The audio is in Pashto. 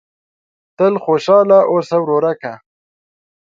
تل خوشاله اوسه ورورکه !